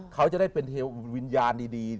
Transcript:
เขาจะได้เป็นวิญญาณดี